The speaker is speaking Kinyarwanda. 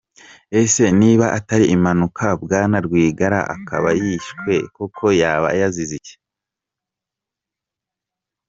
Ese niba atari impanuka Bwana Rwigara akaba yishwe koko yaba yazize iki?